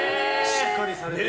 しっかりされている。